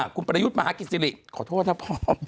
คุณประยุทธ์มหากิจศิริขอโทษนะพร้อม